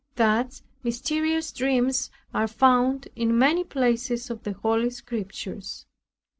Thus mysterious dreams are found in many places of the holy Scriptures.